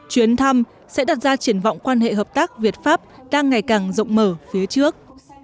chuyến thăm sẽ đặt ra triển vọng quan hệ hợp tác việt pháp đang ngày càng rộng mở phía trước